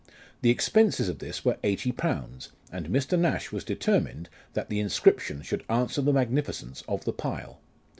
The expenses of this were eighty pounds ; and Mr. Nash was determined that the inscription should answer the magnificence of the pile.